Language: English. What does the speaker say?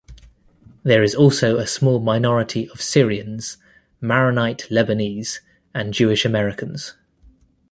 There is also a small minority of Syrians, Maronite Lebanese, and Jewish-Americans.